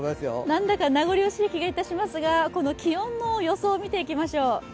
なんだか名残惜しい気がいたしますがこの気温の予想を見ていきましょう。